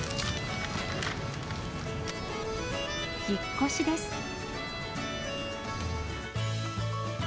引っ越しです。